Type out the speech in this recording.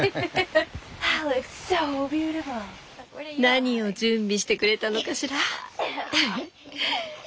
何を準備してくれたのかしら？